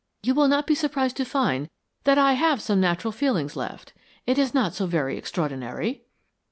You will not be surprised to find that I have some natural feelings left. It is not so very extraordinary."